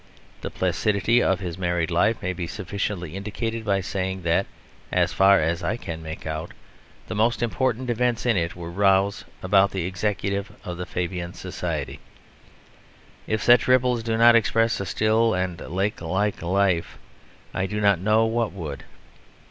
The placidity of his married life may be sufficiently indicated by saying that (as far as I can make out) the most important events in it were rows about the Executive of the Fabian Society. If such ripples do not express a still and lake like life, I do not know what would.